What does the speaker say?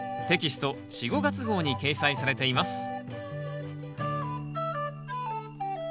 テキスト４・５月号に掲載されています